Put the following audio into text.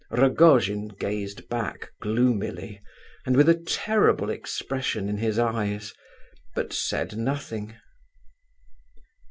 Rogojin gazed back gloomily, and with a terrible expression in his eyes, but said nothing.